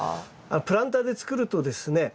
プランターで作るとですね